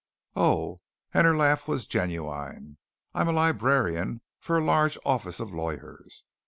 "Oh," and her laugh was genuine. "I'm librarian for a large office of lawyers.